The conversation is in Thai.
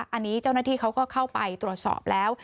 อันนี้เจ้าหน้าที่เขาก็เข้าไปตรวจสอบแล้ว